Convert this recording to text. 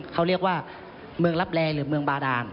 เขาเรียกว่าเมืองลับแลหรือเมืองบาดาน